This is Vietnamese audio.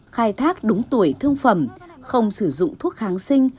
khai thác đúng tuổi thương phẩm không sử dụng thuốc kháng sinh